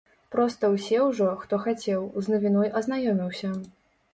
Проста ўсе ўжо, хто хацеў, з навіной азнаёміўся.